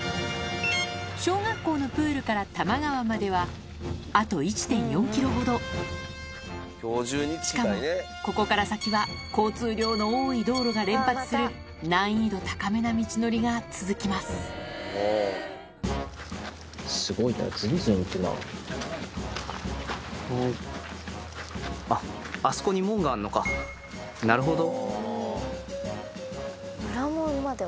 小学校のプールから多摩川まではあと１．４ｋｍほどしかもここから先は交通量の多い道路が連発する難易度高めな道のりが続きますなるほど。